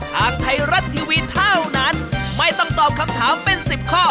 ทางไทยรัฐทีวีเท่านั้นไม่ต้องตอบคำถามเป็น๑๐ข้อ